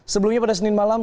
sebelumnya pada senin malam